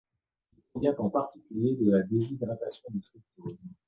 Il provient en particulier de la déshydratation du fructose.